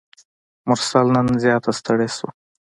مرسل نن زیاته ستړي شوه.